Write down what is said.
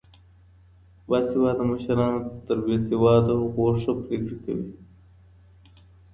باسواده مشران تر بې سواده هغو ښه پرېکړې کوي.